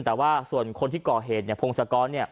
แต่ว่าส่วนคนที่ก่อเหตุพงศกร